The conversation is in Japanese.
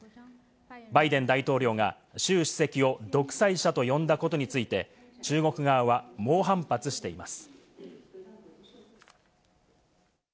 バイデン大統領がシュウ主席を独裁者と呼んだことについて、中国側は猛反発しています。